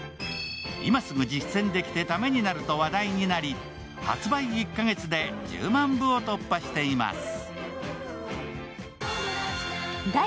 今すぐ実践できて、ためになると話題になり発売１カ月で１０万部を突破しています。